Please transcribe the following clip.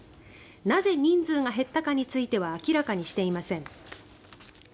なぜ人数が減ったかについては明らかにしていません。